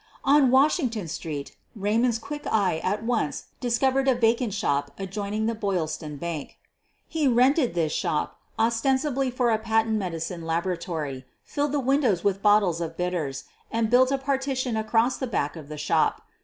On Washington Street Raymond's quick eye at once discovered a vacant shop adjoining the Boyls ton Bank. He rented this shop, ostensibly for a patent medicine laboratory, filled the windows with bottles of bitters and built a partition across thej back of the shop.